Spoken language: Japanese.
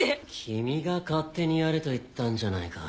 君が勝手にやれと言ったんじゃないか。